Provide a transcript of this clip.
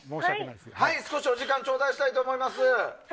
少しお時間ちょうだいしたいと思います。